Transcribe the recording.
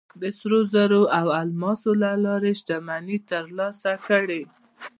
د سرو زرو او الماسو له لارې یې شتمنۍ ترلاسه کړې.